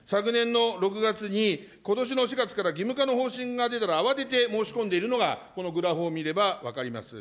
昨年の６月にことしの４月から義務化の方針が出たら、慌てて申し込んでいるのが、このグラフを見れば分かると思います。